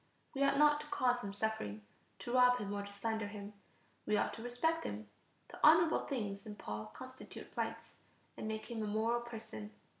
We ought not to cause him suffering, to rob him, or to slander him; we ought to respect him. The honorable things in Paul constitute rights, and make him a moral person.